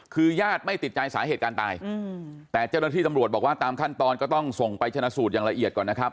คือญาติไม่ติดใจสาเหตุการณ์ตายแต่เจ้าหน้าที่ตำรวจบอกว่าตามขั้นตอนก็ต้องส่งไปชนะสูตรอย่างละเอียดก่อนนะครับ